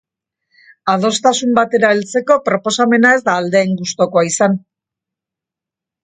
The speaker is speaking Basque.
Adostasun batera heltzeko proposamena ez da aldeen gustukoa izan.